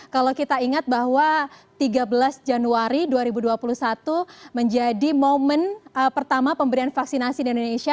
kalau kita ingat bahwa tiga belas januari dua ribu dua puluh satu menjadi momen pertama pemberian vaksinasi di indonesia